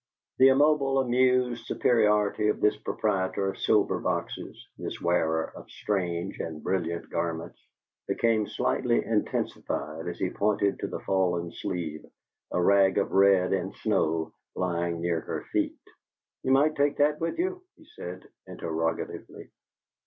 The immobile, amused superiority of this proprietor of silver boxes, this wearer of strange and brilliant garments, became slightly intensified as he pointed to the fallen sleeve, a rag of red and snow, lying near her feet. "You might take that with you?" he said, interrogatively.